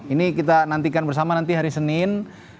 ini kita nantikan bersama nanti hari senin